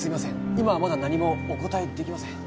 今はまだ何もお答えできません